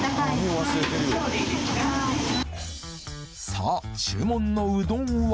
さあ注文のうどんは？